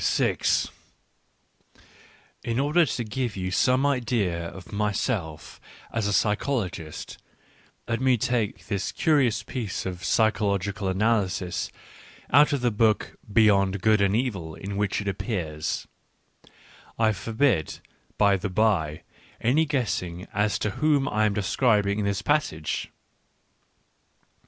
Digitized by Google WHY I WRITE SUCH EXCELLENT BOOKS 6j f , In order to give you some idea of myself as a psychologist, let me take this curious piece of psychological analysis out pf the book Beyond Good and Evil, in which it appears. I forbid, by the bye, any guessing as to whom J am describing in this passage.